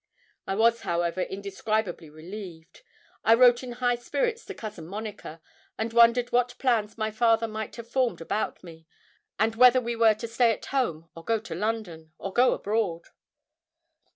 I was, however, indescribably relieved. I wrote in high spirits to Cousin Monica; and wondered what plans my father might have formed about me, and whether we were to stay at home, or go to London, or go abroad.